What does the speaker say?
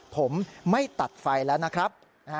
ผมไม่ตัดไฟแล้วนะครับ